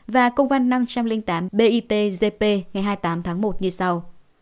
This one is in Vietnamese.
và công văn năm trăm linh tám bitgp ngày hai mươi tám tháng một như sau